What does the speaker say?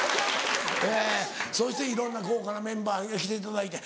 えそしていろんな豪華なメンバーに来ていただいて。